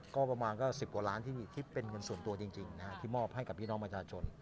ก็ประมาณก็๑๐กว่าล้านที่เป็นเงินส่วนตัวจริงที่มอบให้กับพี่น้องประชาชน